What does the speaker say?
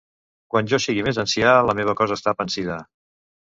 Quan jo sigui més ancià, la meva cosa està pansida.